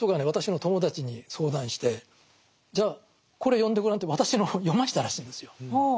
私の友達に相談してじゃあこれ読んでごらんって私の本を読ましたらしいんですよ。